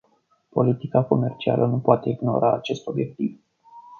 Politica comercială nu poate ignora acest obiectiv.